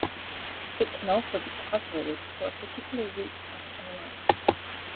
It can also be calculated for a particular route of an airline.